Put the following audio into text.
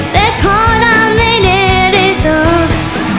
แต่ขอดำในในตัว